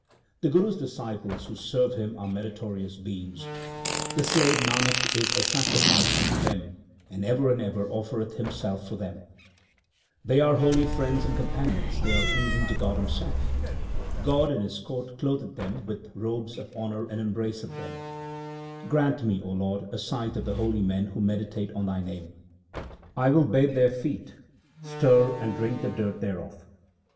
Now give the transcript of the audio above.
The Guru's disciples who serve him are meritorious beings : The slave Nanak is a sacrifice unto them, and ever and ever offereth himself for them. 1 Hri, to take away, is the root of Hari. 330 THE SIKH RELIGION They are holy friends and companions ; they are pleasing to God Himself. God in His court clotheth them with robes of honour and embraceth them. Grant me, O Lord, a sight of the holy men who meditate on Thy name : I will bathe their feet, stir and drink the dirt thereof.